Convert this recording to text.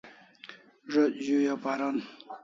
Zo't zu'i o paron